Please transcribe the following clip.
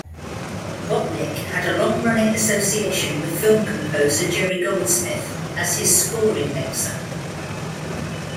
Botnick had a long-running association with film composer Jerry Goldsmith as his scoring mixer.